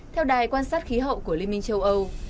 theo đài quan sát khí hậu của liên minh châu âu